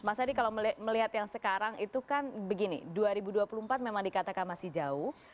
mas adi kalau melihat yang sekarang itu kan begini dua ribu dua puluh empat memang dikatakan masih jauh